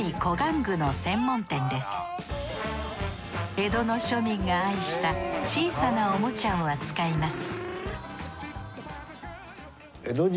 江戸の庶民が愛した小さなおもちゃを扱います